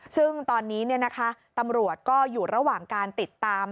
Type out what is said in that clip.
ซึ่งตอนนี้ตำรวจก็อยู่ระหว่างการติดตาม